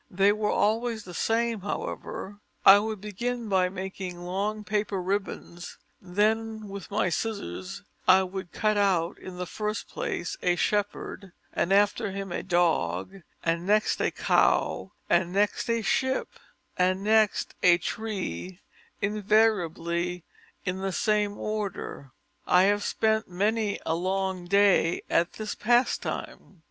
They were always the same, however: I would begin by making long paper ribbons, then with my scissors, I would cut out, in the first place, a shepherd, and after him a dog, and next a cow, and next a ship, and next a tree, invariably in the same order. I have spent many a long day at this pastime."